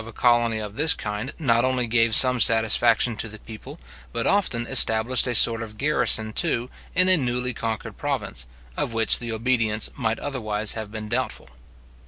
The sending out a colony of this kind not only gave some satisfaction to the people, but often established a sort of garrison, too, in a newly conquered province, of which the obedience might otherwise have been doubtful.